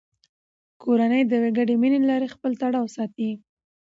کورنۍ د یوې ګډې مینې له لارې خپل تړاو ساتي